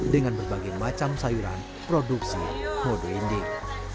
dengan berbagai macam sayuran produksi mode ending